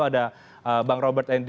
ada bang robert dan dwi